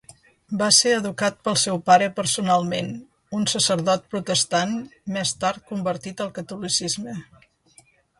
Va ser educat pel seu pare personalment, un sacerdot protestant, més tard convertit al catolicisme.